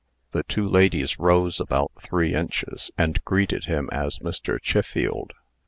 The two ladies rose about three inches, and greeted him as Mr. Chiffield.